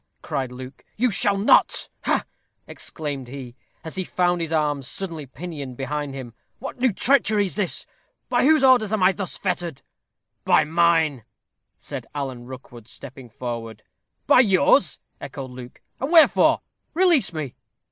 cried Luke; "you shall not. Ha!" exclaimed he, as he found his arms suddenly pinioned behind him. "What new treachery is this? By whose orders am I thus fettered?" "By mine," said Alan Rookwood, stepping forward. "By yours?" echoed Luke. "And wherefore? Release me."